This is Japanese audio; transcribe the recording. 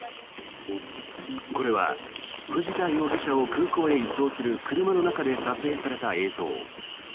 これは藤田容疑者を空港へ移送する車の中で撮影された映像。